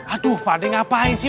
aduh pak adeh ngapain sih